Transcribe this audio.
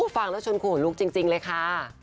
ฟังแล้วชนขู่ลุกจริงเลยค่ะ